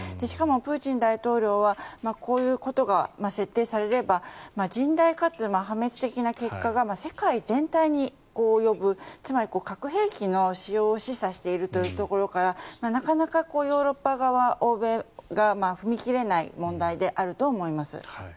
しかもプーチン大統領はこういうことが設定されれば甚大かつ破滅的結果が世界全体に及ぶつまり核兵器の使用を示唆しているというところからなかなかヨーロッパ側、欧米側は踏み切れない問題だと思います。